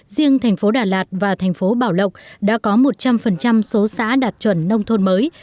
riêng thành phố đà lạt và thành phố bảo lộc đã có một trăm linh số xã đạt chuẩn nông thôn mới